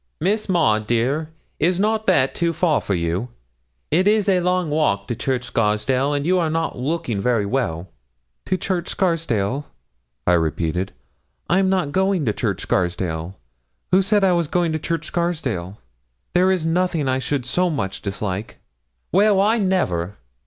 'Miss Maud, dear, is not that too far for you? It is a long walk to Church Scarsdale, and you are not looking very well.' 'To Church Scarsdale?' I repeated; 'I'm not going to Church Scarsdale; who said I was going to Church Scarsdale? There is nothing I should so much dislike.' 'Well, I never!'